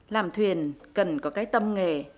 làm thuyền cần có cái tâm nghề